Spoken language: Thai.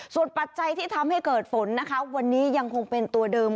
ส่วนปัจจัยที่ทำให้เกิดฝนนะคะวันนี้ยังคงเป็นตัวเดิม